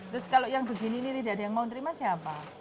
terus kalau yang begini ini tidak ada yang mau terima siapa